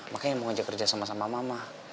makanya mau ngajak kerjasama sama mama